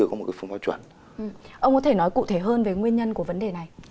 ông có thể nói cụ thể hơn về nguyên nhân của vấn đề này